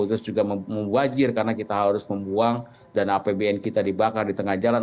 terus juga wajir karena kita harus membuang dan apbn kita dibakar di tengah jalan